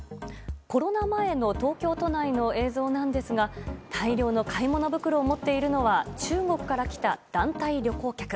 コロナ前の東京都内の映像なんですが大量の買い物袋を持っているのは中国から来た団体旅行客。